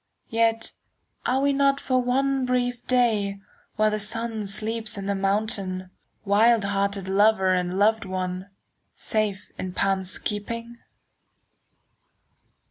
Yet, are we not for one brief day, While the sun sleeps on the mountain, 10 Wild hearted lover and loved one, Safe in Pan's keeping?